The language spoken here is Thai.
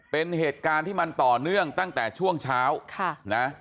เป็นเหตุการณ์ที่มันต่อเนื่องตั้งแต่ช่วงเช้านะ